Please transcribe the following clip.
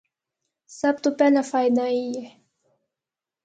سب تو پہلا فائدہ اے ہے۔